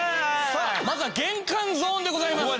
さあまずは玄関ゾーンでございます。